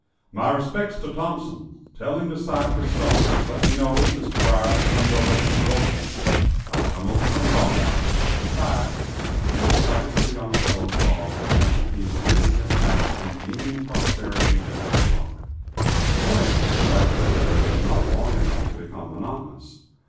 "My respects to Thompson. Tell him to sight for Stone's. Let me know, Mr. Brierly, when you are ready to locate; I'll come over from Hawkeye. Goodbye." And the last the young fellows saw of the Colonel, he was waving his hat, and beaming prosperity and good luck. The voyage was delightful, and was not long enough to become monotonous.